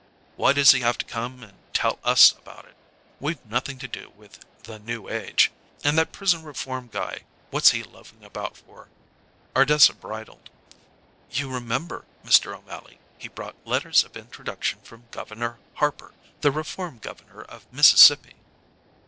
"Why does he have to come and tell us about it? We've nothing to do with 'The New Age.' And that prison reform guy, what's he loafing about for?" Ardessa bridled. "You remember, Mr. O'Mally, he brought letters of introduction from Governor Harper, the reform Governor of Mississippi."